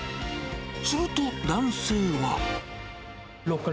すると、男性は。